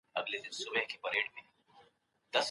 دوی محلي خلکو ته کار ورکوي.